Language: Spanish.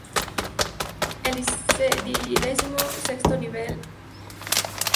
El decimosexto nivel dio al montículo su forma de domo final.